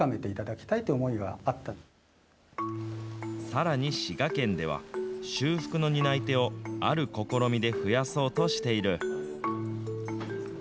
さらに滋賀県では、修復の担い手をある試みで増やそうとしている。